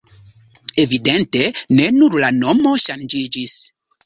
Evidente ne nur la nomo ŝanĝiĝis.